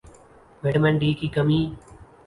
vitamin D کی کمی